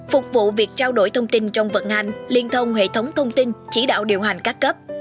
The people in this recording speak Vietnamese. phục vụ việc trao đổi thông tin trong vận hành liên thông hệ thống thông tin chỉ đạo điều hành các cấp